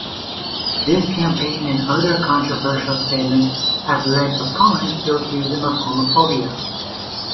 This campaign and other controversial statements have led opponents to accuse him of homophobia.